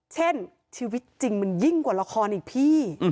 ชีวิตจริงมันยิ่งกว่าละครอีกพี่